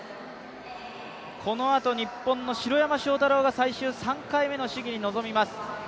このあと日本の城山正太郎が最終３回目の試技に臨みます。